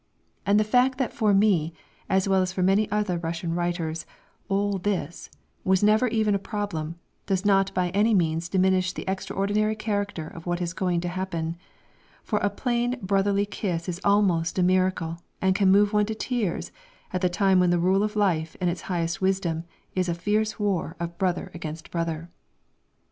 And the fact that for me, as well as for many other Russian writers, all this was never even a problem, does not by any means diminish the extraordinary character of what is going to happen; for a plain brotherly kiss is almost a miracle and can move one to tears at the time when the rule of life and its highest wisdom is a fierce war of brother against brother.